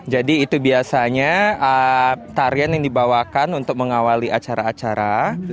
jadi itu biasanya tarian yang dibawakan untuk mengawali acara acara